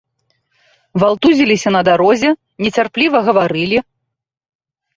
Валтузіліся на дарозе, нецярпліва гаварылі.